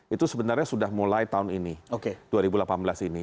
itu sebenarnya sudah mulai tahun ini dua ribu delapan belas ini